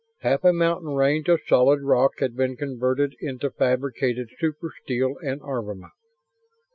Half a mountain range of solid rock had been converted into fabricated super steel and armament.